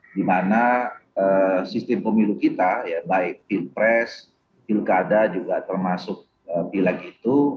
dimana sistem pemilu kita ya baik pilpres pilkada juga termasuk pilak itu